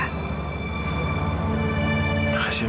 terima kasih mila